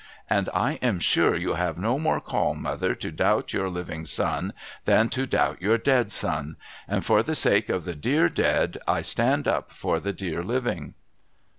And I am sure you have no more call, mother, to doubt your living son than to doubt your dead son ; and for the sake of the dear dead, I stand up for the dear living.'